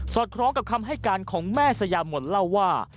คล้องกับคำให้การของแม่สยามนเล่าว่า